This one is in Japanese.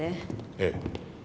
ええ。